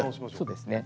そうですね。